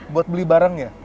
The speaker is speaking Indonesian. buat beli barangnya